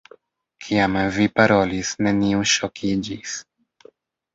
Kiam vi parolis, neniu ŝokiĝis.